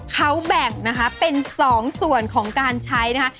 เขาแบ่งนะคะเป็น๒ส่วนของการใช้นะคะ